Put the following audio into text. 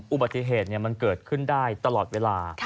อุบัติเหตุมันเกิดขึ้นได้ตลอดเวลา